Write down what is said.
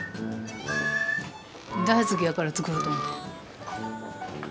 大好きやから作ろうと思って。